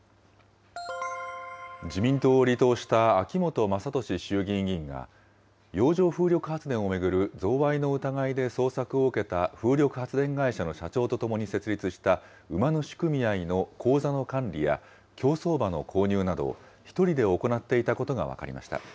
自民党を離党した秋本真利衆議院議員が、洋上風力発電を巡る贈賄の疑いで捜索を受けた風力発電会社の社長と共に設立した馬主組合の口座の管理や、競走馬の購入などを１人で行っていたことが分かりました。